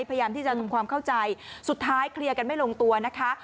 พยายามที่จะทำความเข้าใจสุดท้ายเคลียร์กันไม่ลงตัวนะคะ